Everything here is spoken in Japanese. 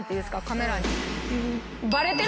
カメラに。